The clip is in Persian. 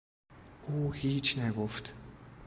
او هیچ نگفت.